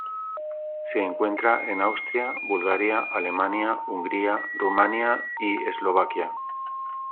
Se encuentra en Austria, Bulgaria, Alemania, Hungría Rumania y Eslovaquia.